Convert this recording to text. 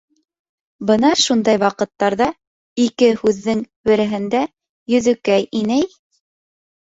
Бына шундай ваҡыттарҙа ике һүҙҙең береһендә Йөҙөкәй инәй: